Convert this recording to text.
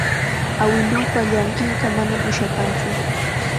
Awiluupa llanqinqa manam ushakantsu.